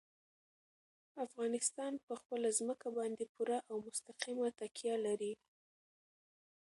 افغانستان په خپله ځمکه باندې پوره او مستقیمه تکیه لري.